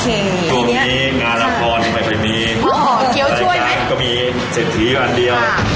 ตรงนี้งานละครมายปริมนี้อ๋อเกลียวช่วยรายการมีเศษทีอันเดียว